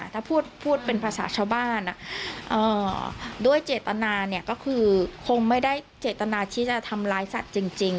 ถ้าพูดเป็นภาษาชาวบ้านด้วยเจตนาก็คือคงไม่ได้เจตนาที่จะทำร้ายสัตว์จริง